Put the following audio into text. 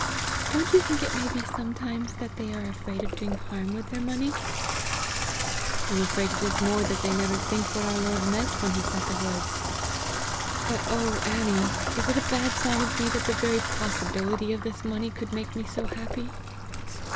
Don't you think it may be sometimes that they are afraid of doing harm with their money?" "I'm afraid it is more that they never think what our Lord meant when he said the words. But oh, Annie! is it a bad sign of me that the very possibility of this money could make me so happy?"